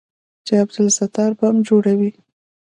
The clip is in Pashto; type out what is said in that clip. چې عبدالستار بم جوړوي.